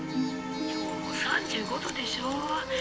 「今日も３５度でしょ？」